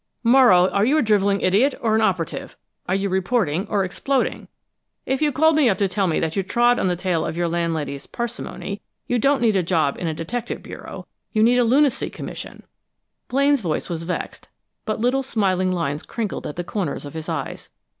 "Morrow, are you a driveling idiot, or an operative? Are you reporting, or exploding? If you called me up to tell me that you trod on the tail of your landlady's parsimony, you don't need a job in a detective bureau; you need a lunacy commission!" Blaine's voice was vexed, but little smiling lines crinkled at the corners of his eyes.